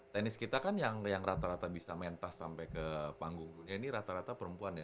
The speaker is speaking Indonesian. tenis kita kan yang rata rata bisa mentas sampai ke panggung dunia ini rata rata perempuan ya